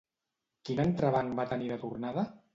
Quin entrebanc va tenir de tornada?